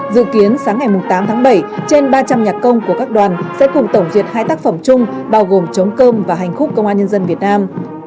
dự kiến sáng ngày tám tháng bảy trên ba trăm linh nhạc công của các đoàn sẽ cùng tổng duyệt hai tác phẩm chung bao gồm chống cơm và hành khúc công an nhân dân việt nam